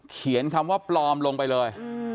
เขียนคำว่าปลอมลงไปเลย